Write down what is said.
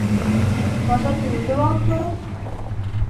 Ни, вожатый үҙе алып бара!